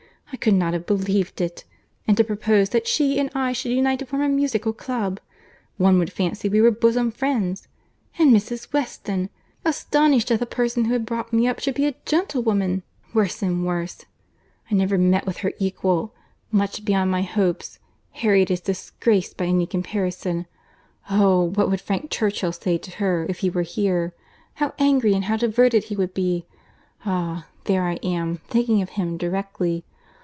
I could not have believed it! And to propose that she and I should unite to form a musical club! One would fancy we were bosom friends! And Mrs. Weston!—Astonished that the person who had brought me up should be a gentlewoman! Worse and worse. I never met with her equal. Much beyond my hopes. Harriet is disgraced by any comparison. Oh! what would Frank Churchill say to her, if he were here? How angry and how diverted he would be! Ah! there I am—thinking of him directly.